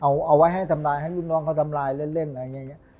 เอาเอาไว้ให้ทำลายให้รุ่นน้องเขาทำลายเล่นอย่างเงี้ยเงี้ย